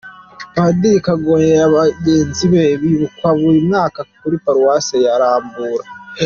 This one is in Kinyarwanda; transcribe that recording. Padiri Kageyo na bagenzi be bibukwa buri mwaka kuri Paruwasi ya Rambura.